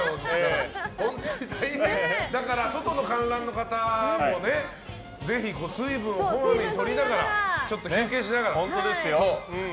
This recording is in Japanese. だから、外の観覧の方もぜひ水分をこまめにとりながらちょっと休憩しながらね。